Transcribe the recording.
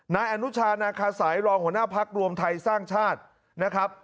นายอนุชานาคาสัยรองหัวหน้าพักรวมไทยสร้างชาตินะครับ